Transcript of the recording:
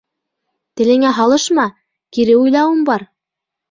— Телеңә һалышма, кире уйлауым бар.